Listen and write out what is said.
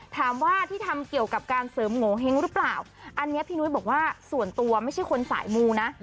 ถามว่าที่ทำเกี่ยวกับการเสริมโงเห้งหรือเปล่าอันนี้พี่นุ้ยบอกว่าส่วนตัวไม่ใช่คนสายมูนะ